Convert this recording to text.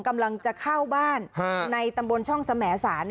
กำลังจะเข้าบ้านในตำบลช่องสมสาร